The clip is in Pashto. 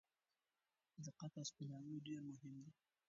دقت او سپیناوی ډېر مهم دي.